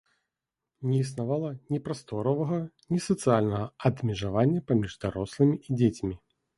Не існавала ні прасторавага ні сацыяльнага адмежавання паміж дарослымі і дзецьмі.